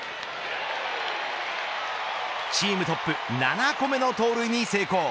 チームトップ７個目の盗塁に成功。